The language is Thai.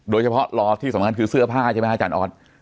โดยเฉพาะล้อที่สำคัญคือเสื้อผ้าใช่ไหมอาจารย์ออส